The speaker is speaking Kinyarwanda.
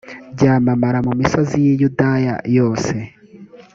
byamamara mu misozi y i yudaya yose